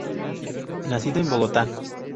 Nacido en Bogotá.